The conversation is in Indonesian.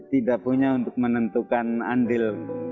tidak punya untuk menentukan andil